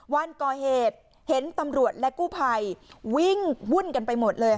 วันก่อเหตุเห็นตำรวจและกู้ภัยวิ่งวุ่นกันไปหมดเลย